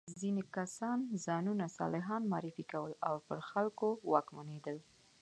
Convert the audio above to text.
ځینې کسان ځانونه صالحان معرفي کول او پر خلکو واکمنېدل.